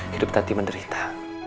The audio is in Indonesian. hidup tanti menderita